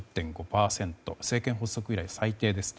政権発足以来、最低です。